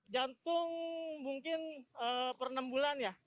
jantung mungkin per enam bulan ya